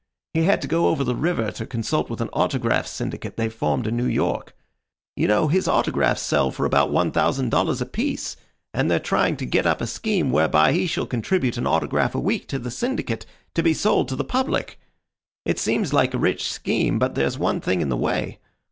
He had to go over the river to consult with an autograph syndicate they've formed in New York. You know, his autographs sell for about one thousand dollars apiece, and they're trying to get up a scheme whereby he shall contribute an autograph a week to the syndicate, to be sold to the public. It seems like a rich scheme, but there's one thing in the way.